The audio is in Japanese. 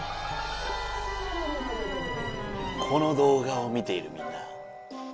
この動画を見ているみんな！